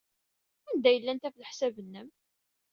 Anda ay llant, ɣef leḥsab-nnem?